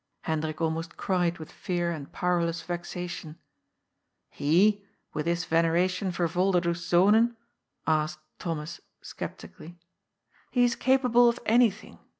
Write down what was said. Hendrik almost cried with fear and powerless vexation. "He, with his veneration for Volderdoes Zonen?" asked Thomas sceptically. " He is capable of anything.